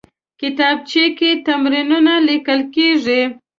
کتابچه کې تمرینونه لیکل کېږي